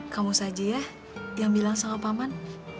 kamu saja ya yang bilang sama paman